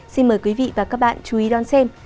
xin mời quý vị và các bạn chú ý đón xem